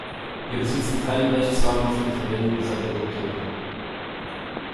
Wir besitzen keinen Rechtsrahmen für die Verwendung dieser Produkte.